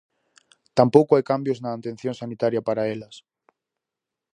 Tampouco hai cambios na atención sanitaria para elas.